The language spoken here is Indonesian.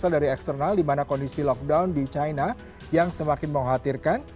di mana kondisi lockdown di china yang semakin mengkhawatirkan